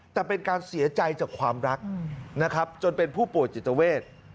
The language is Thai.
แต่เป็นการเสียใจจากความรักนะครับจนเป็นผู้ป่วยจิตเวท